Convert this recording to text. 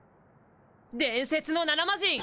伝説の７マジン！